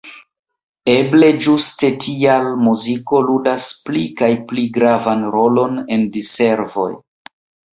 Eble ĝuste tial muziko ludas pli kaj pli gravan rolon en diservoj.